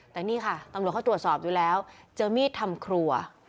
แต่นี่ค่ะตำรวจเขาตรวจสอบอยู่แล้วเจอมีดทำครัว